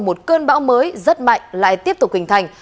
một cơn bão mới rất mạnh lại tiếp tục hình thành